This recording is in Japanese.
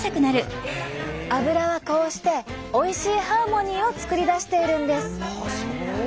アブラはこうしておいしいハーモニーを作り出しているんです。